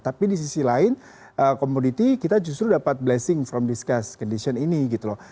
tapi di sisi lain komoditi kita justru dapat blessing from discuss condition ini gitu loh